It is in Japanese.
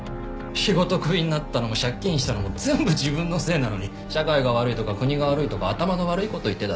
仕事クビになったのも借金したのも全部自分のせいなのに社会が悪いとか国が悪いとか頭の悪い事言ってたでしょ。